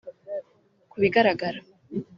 Ku bigaragara